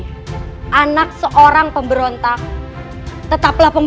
sama kata keteguhan